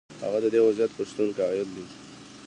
هغه د دې وضعیت پر شتون قایل دی.